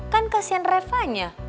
kan kasihan revanya